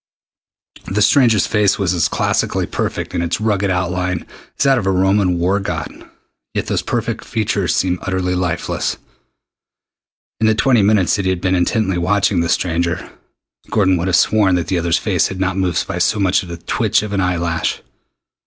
The stranger's face was as classically perfect in its rugged outline as that of a Roman war god, yet those perfect features seemed utterly lifeless. In the twenty minutes that he had been intently watching the stranger, Gordon would have sworn that the other's face had not moved by so much as the twitch of an eye lash.